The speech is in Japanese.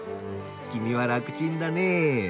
君は楽チンだね。